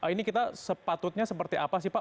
ini kita sepatutnya seperti apa sih pak